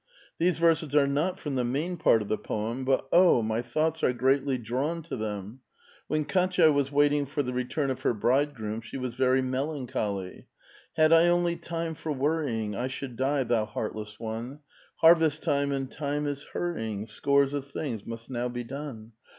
'"These verses are not from tlie main part of tlie poem, but oh ! ni}* thoughts are greatly drawn to them. Wlien Katya was waiting for the re* turn of her bridegroom, she was very melancholy :—' Had I only time for worrying I should die, tliou heartless one I Harvest time, and time is hurrying ; Scores of things must now be done